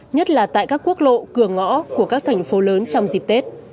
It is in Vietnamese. nhất là tại các quốc lộ cửa ngõ của các thành phố lớn trong dịp tết